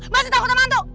masih takut sama hantu